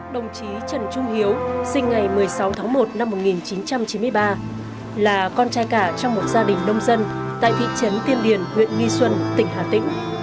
đồng chí trần trung hiếu sinh ngày một mươi sáu tháng một năm một nghìn chín trăm chín mươi ba là con trai cả trong một gia đình nông dân tại thị trấn tiên điển huyện nghi xuân tỉnh hà tĩnh